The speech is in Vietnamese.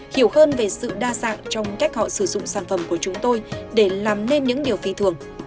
hiểu hơn về sự đa dạng trong cách họ sử dụng sản phẩm của chúng tôi để làm nên những điều phi thường